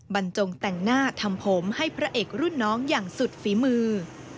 บรรจงแต่งหน้าทำผมให้พระเอกรุ่นน้องอย่างสุดฝีมือ